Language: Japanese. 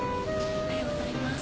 おはようございます。